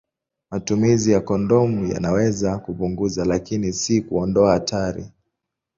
Matumizi ya kondomu yanaweza kupunguza, lakini si kuondoa hatari.